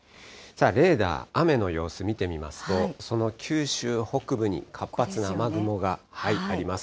レーダー、雨の様子見てみますと、その九州北部に活発な雨雲があります。